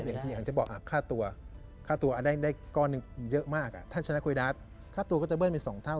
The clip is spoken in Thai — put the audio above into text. อย่างที่บอกค่าตัวค่าตัวได้ก้อนหนึ่งเยอะมากถ้าชนะคุยดาสค่าตัวก็จะเบิ้ลไป๒เท่า